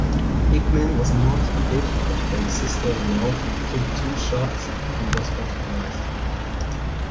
Hickmann was not hit but her sister-in-law took two shots and was hospitalized.